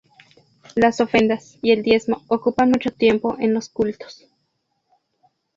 Las ofrendas y el diezmo ocupan mucho tiempo en los cultos.